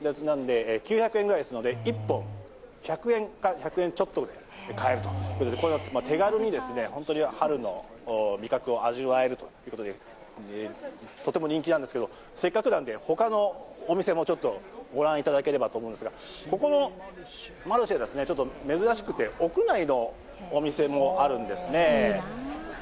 ９００円ぐらいですので、１本１００円か１００円ちょっとぐらいで買えるということで手軽に春の味覚を味わえるということでとても人気なんですけどせっかくなんで、他のお店もちょっとご覧いただければと思うんですが、ここのマルシェは珍しくて屋内のお店もあるんですね。